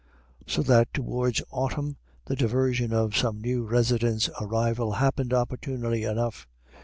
So that towards autumn the diversion of some new residents' arrival happened opportunely enough.